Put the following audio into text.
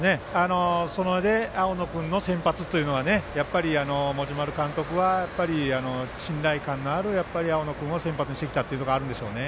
そこで青野君の先発というのが持丸監督は信頼感のある青野君を先発にしてきたということもあるんでしょうね。